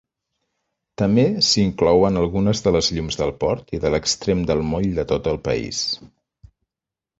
També s"hi inclouen algunes de les llums del port i de l"extrem del moll de tot el país.